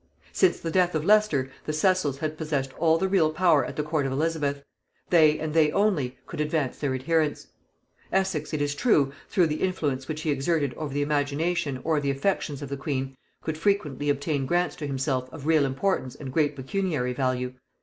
Since the death of Leicester, the Cecils had possessed all the real power at the court of Elizabeth: they and they only could advance their adherents. Essex, it is true, through the influence which he exerted over the imagination or the affections of the queen, could frequently obtain grants to himself of real importance and great pecuniary value.